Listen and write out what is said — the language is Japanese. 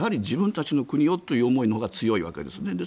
自分たちの国をという思いのほうが強いわけですね。